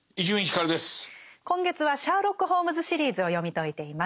今月は「シャーロック・ホームズ・シリーズ」を読み解いています。